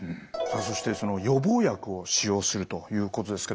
そして予防薬を使用するということですけども。